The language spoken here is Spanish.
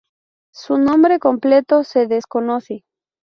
Su nombre completo se desconoce.